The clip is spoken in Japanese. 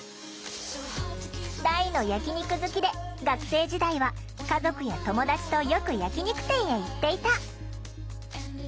大の焼き肉好きで学生時代は家族や友だちとよく焼き肉店へ行っていた。